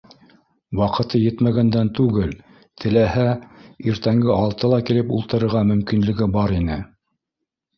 Ваҡыты етмәгәндән түгел, теләһә, иртәнге алтыла килеп ултырырға мөмкинлеге бар ине